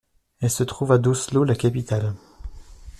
Elle se trouve à d'Oslo, la capitale.